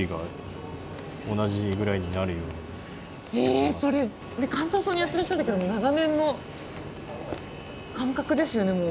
それ簡単そうにやってらっしゃるけど長年の感覚ですよねもう。